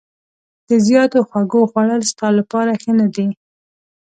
د زیاتو خوږو خوړل ستا لپاره ښه نه دي.